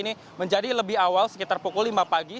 ini menjadi lebih awal sekitar pukul lima pagi